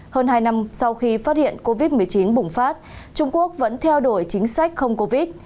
hơn hai năm sau khi phát hiện covid một mươi chín bùng phát trung quốc vẫn theo đuổi chính sách không covid